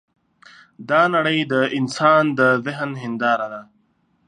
دا نړۍ د انسان د ذهن هینداره ده.